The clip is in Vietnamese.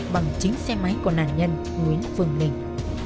bằng chính xe máy của nạn nhân nguyễn phương linh